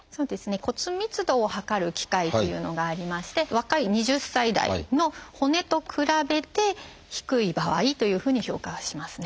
骨密度を測る機械っていうのがありまして若い２０歳代の骨と比べて低い場合というふうに評価はしますね。